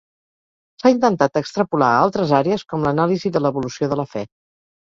S'ha intentat extrapolar a altres àrees, com l'anàlisi de l'evolució de la fe.